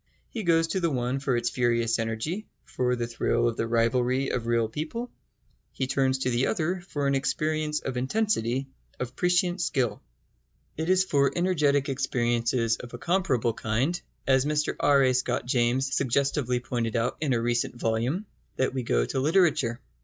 He goes to the one for its furious energy, for the thrill of the rivalry of real people; he turns to the other for an experience of intensity, of prescient skill. It is for energetic experiences of a comparable kind, as Mr R. A. Scott James suggestively pointed out in a recent volume, that we go to literature.